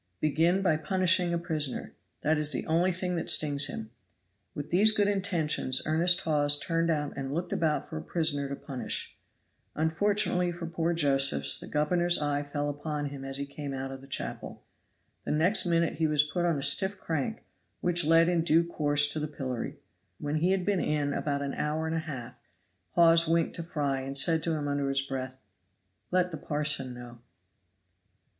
Begin by punishing a prisoner that is the only thing that stings him. With these good intentions earnest Hawes turned out and looked about for a prisoner to punish; unfortunately for poor Josephs the governor's eye fell upon him as he came out of the chapel. The next minute he was put on a stiff crank, which led in due course to the pillory. When he had been in about an hour and a half, Hawes winked to Fry, and said to him under his breath, "Let the parson know."